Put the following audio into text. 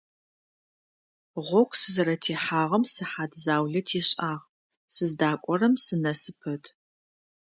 Гъогу сызэрытехьагъэм сыхьат заулэ тешӀагъ, сыздакӀорэм сынэсы пэт.